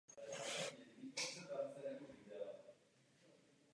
V té době se věnoval hlavně próze s historickou tematikou.